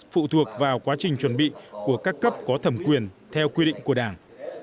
phụ thuộc vào quá trình chuẩn bị của các cấp có thẩm quyền theo quy định của đảng